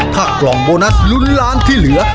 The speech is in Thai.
ถ้ากล่องโบนัสลุ้นล้านที่เหลือ